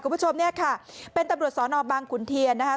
คุณผู้ชมเนี่ยค่ะเป็นตำรวจสอนอบางขุนเทียนนะคะ